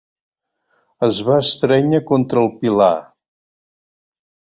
Es va estrènyer contra el pilar.